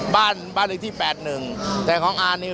บ้านบรรยาที่๘๑แต่ของอานน์เนี่ย๘๓